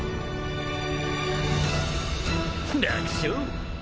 楽勝！